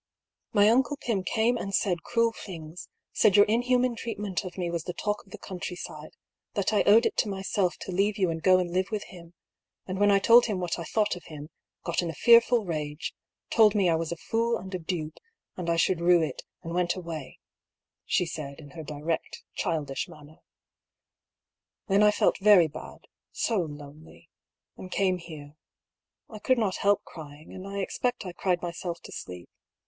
^^ My uncle Pym came and said cruel things ; said your inhuman treatment of me was the talk of the countryside : that I owed it to myself to leave you and go and live with him ; and when I told him what I thought of him, got in a fearful rage, told me I was a fool and a dupe, and I should rue it, and went away," 14:8 I>R. PAULL'S THEORY. / she said, in her direct, childish manner. " Then I felt very bad — so lonely — and came here. I could not help crying, and I expect I cried myself to sleep.